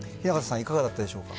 雛形さん、いかがだったでしょうか。